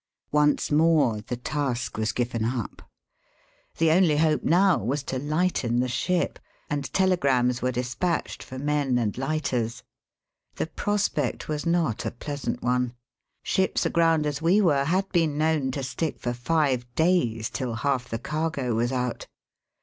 Once more the task was given up» The only hope now was to lighten the Digitized by VjOOQIC THBOUGfH THE SUEZ CANAL. 353 ship, and telegrams were despatched for men ^ and Kghters. The prospect was not a pleasant one. Ships aground as we were had been known to stick for five days, till half the cargo was out.